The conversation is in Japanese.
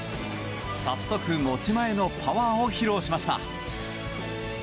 早速、持ち前のパワーを披露しました。